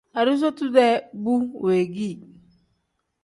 Arizotu-dee bu weegii.